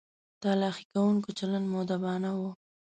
تلاښي کوونکو چلند مؤدبانه و.